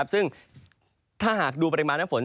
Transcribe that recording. ซึ่งถ้าหากดูปริมาณน้ำฝน